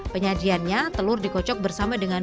penyajiannya telur dikocok bersama dengan